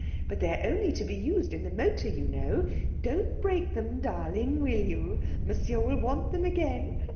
But they're only to be used in the motor, you know. Don't break them, darling, will you? Monsieur will want them again.